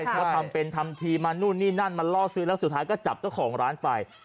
เขาทำเป็นทำทีมานู่นนี่นั่นมาล่อซื้อแล้วสุดท้ายก็จับเจ้าของร้านไป